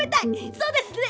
そうですね。